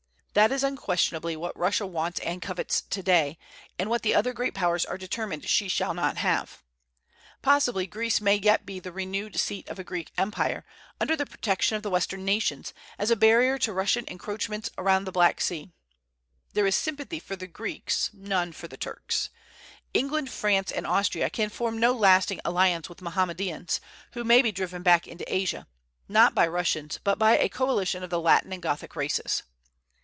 That is unquestionably what Russia wants and covets to day, and what the other great Powers are determined she shall not have. Possibly Greece may yet be the renewed seat of a Greek empire, under the protection of the Western nations, as a barrier to Russian encroachments around the Black Sea. There is sympathy for the Greeks; none for the Turks. England, France, and Austria can form no lasting alliance with Mohammedans, who may be driven back into Asia, not by Russians, but by a coalition of the Latin and Gothic races.